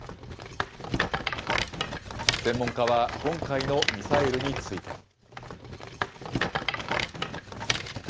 専門家は、今回のミサイルについて。